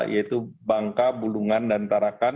yaitu bangka bulungan dan tarakan